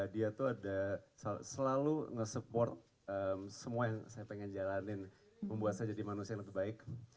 dia tuh ada selalu nge support semua yang saya pengen jalanin membuat saya jadi manusia yang lebih baik